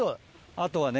あとはね